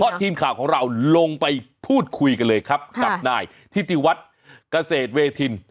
ทีมข่าวของเราลงไปพูดคุยกันเลยครับกับนายทิติวัฒน์เกษตรเวทิน